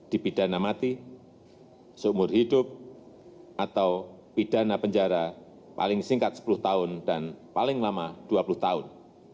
dipidana mati seumur hidup atau pidana penjara paling singkat sepuluh tahun dan paling lama dua puluh tahun